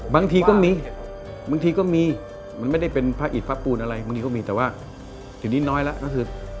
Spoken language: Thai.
บางทีก็มีบางทีก็มีมันไม่ได้เป็นพระอิตพระปูนอะไรบางทีก็มีแต่ว่าทีนี้น้อยแล้วก็คือ